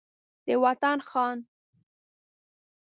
د وطن خان